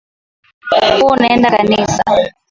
Huwa unaenda kanisa.